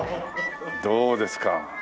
どうですか？